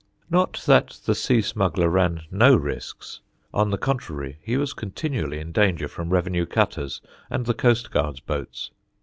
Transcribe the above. Not that the sea smuggler ran no risks. On the contrary, he was continually in danger from revenue cutters and the coastguards' boats.